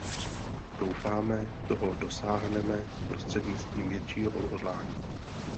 Doufáme, toho dosáhneme prostřednictvím většího odhodlání.